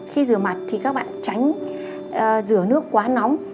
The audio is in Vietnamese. khi rửa mặt thì các bạn tránh rửa nước quá nóng